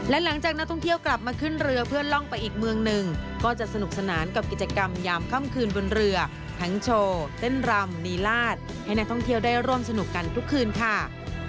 และหลังจากนักท่องเที่ยวกลับมาขึ้นเรือเพื่อล่องไปอีกเมืองหนึ่งก็จะสนุกสนานกับกิจกรรมยามค่ำคืนบนเรือทั้งโชว์เต้นรำนีลาดให้นักท่องเที่ยวได้ร่วมสนุกกันทุกคืนค่ะ